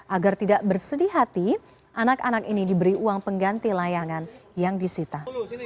agar tidak bersedih hati anak anak ini diberi uang pengganti layangan yang disita